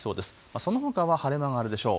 そのほかは晴れ間もあるでしょう。